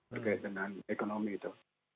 berkait dengan ekonomi itu